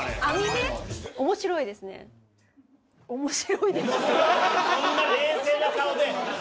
そんな冷静な顔で！